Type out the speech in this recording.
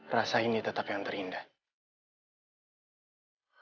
rasa ini tetap yang terindah